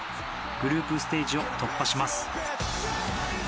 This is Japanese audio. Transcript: グループステージを突破します。